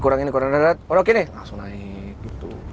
orang ini keren keren oh oke nih langsung naik